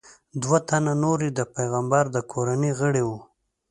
دوه تنه نور یې د پیغمبر د کورنۍ غړي وو.